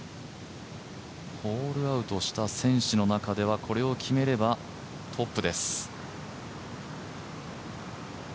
ホールアウトした選手の中ではこれを決めればトップです。